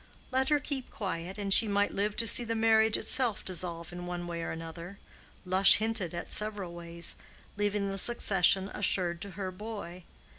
Let her keep quiet, and she might live to see the marriage dissolve itself in one way or other—Lush hinted at several ways—leaving the succession assured to her boy.